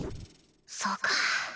そうか